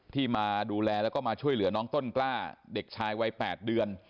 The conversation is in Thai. ที่มาดูแลแล้วก็มาช่วยเหลือน้องต้นกล้าเด็กชายวัย๘เดือน